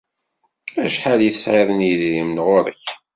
Acḥal i tesɛiḍ n yedrimen ɣur-k?